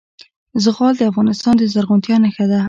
زغال د افغانستان د زرغونتیا نښه ده.